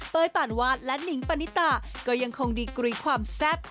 ปานวาดและหนิงปณิตาก็ยังคงดีกรีความแซ่บ